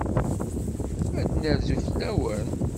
Ad d-nerzu fell-awen.